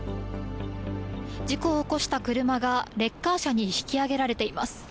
事故を起こした車がレッカー車に引き上げられています。